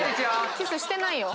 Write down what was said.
キスしてないよ。